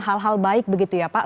hal hal baik begitu ya pak